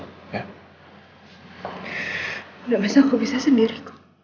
tidak bisa aku bisa sendiri